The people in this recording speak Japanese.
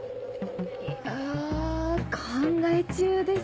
あ考え中です。